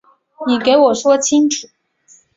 你给我说清楚